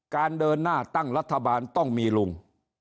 การเดินหน้าตั้งรัฐบาลต้องมีลุง